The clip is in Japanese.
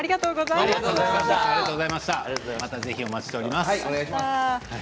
またぜひお待ちしています。